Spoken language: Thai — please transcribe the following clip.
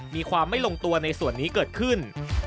มีความไม่ลงตัวในส่วนนี้เกิดขึ้น